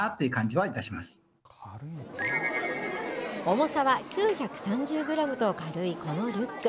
重さは９３０グラムと軽いこのリュック。